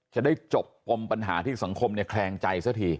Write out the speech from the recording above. จะได้จบปมปัญหาที่สังคมแคลงใจซะที